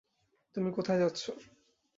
তুমি কোথায় যাচ্ছো?